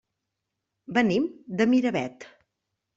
Venim de Miravet.